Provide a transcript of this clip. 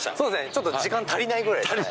ちょっと時間足りないぐらいでしたね。